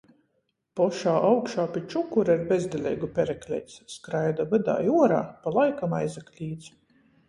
Pošā augšā pi čukura ir bezdeleigu perekleits. Skraida vydā i uorā, pa laikam aizaklīdz.